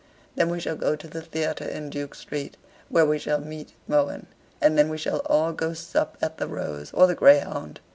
Then we shall go to the theatre in Duke Street, where we shall meet Mohun; and then we shall all go sup at the 'Rose' or the 'Greyhound.'